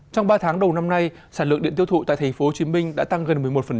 trong ba tháng đầu năm nay sản lượng điện tiêu thụ tại tp hcm đã tăng gần một mươi một